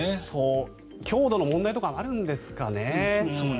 強度の問題とかもあるんですかね。